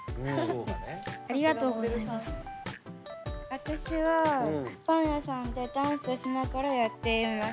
私はパン屋さんでダンスしながらやっています。